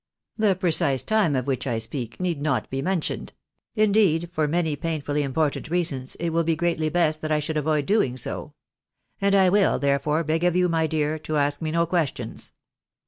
The precise time of which I speak need not be mentioned. Indeed, for many painfully important reasons, it will be greatly best that I should avoid doing so. And I will, therefore, beg of you, my dear, to ask me no questions.